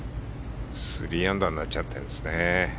３アンダーになっちゃってるんですね。